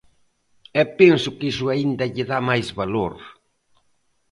E penso que iso aínda lle dá máis valor.